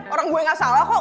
orang gue gak salah kok